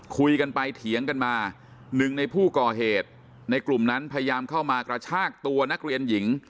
คุยกันไปเถียงกันมาหนึ่งในผู้ก่อเหตุในกลุ่มนั้นพยายามเข้ามากระชากตัวนักเรียนหญิง